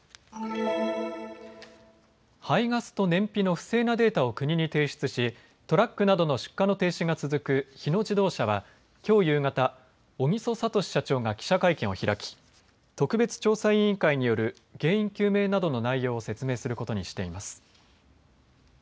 排ガスと燃費の不正なデータを国に提出しトラックなどの出荷の停止が続く日野自動車はきょう夕方、小木曽聡社長が記者会見を開き、特別調査委員会による原因究明などの内容を説明することにしています。